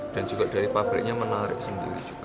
dan juga dari pabriknya menarik sendiri juga